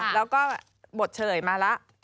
แล้วก็บทเฉลยมาแล้ว